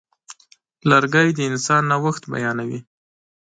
لرګی د انسان نوښت بیانوي.